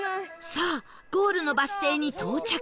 さあゴールのバス停に到着